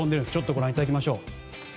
ご覧いただきましょう。